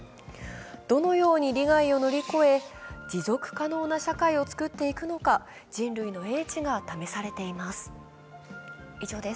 どのように利害を乗り越え、持続可能な社会を作っていくのか、人類の英知が試されています。